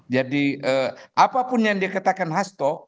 jadi apapun yang dikatakan hasto